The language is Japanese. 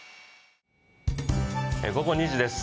午後２時です。